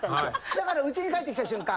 だからうちに帰ってきた瞬間